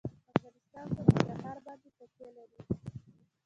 افغانستان په ننګرهار باندې تکیه لري.